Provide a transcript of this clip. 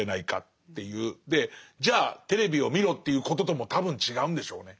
でじゃあテレビを見ろっていうこととも多分違うんでしょうね。